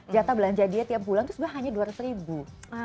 jatah belanja dia tiap bulan itu sebenarnya hanya dua ratus ribu